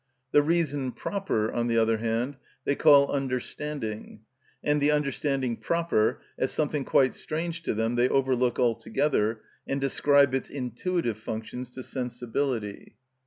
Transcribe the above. The reason proper, on the other hand, they call understanding, and the understanding proper, as something quite strange to them, they overlook altogether, and ascribe its intuitive functions to sensibility.